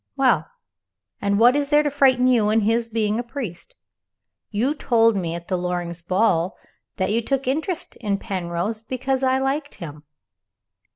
"Well, and what is there to frighten you in his being a priest? You told me at the Loring's ball that you took an interest in Penrose because I liked him."